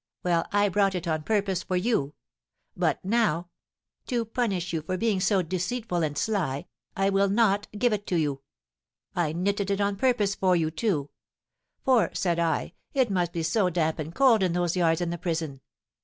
Well, I brought it on purpose for you. But now to punish you for being so deceitful and sly I will not give it to you. I knitted it on purpose for you, too; for, said I, it must be so damp and cold in those yards in the prison.